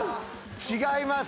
違います。